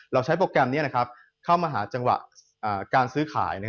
ใช้โปรแกรมนี้เข้ามาหาจังหวะการซื้อขาย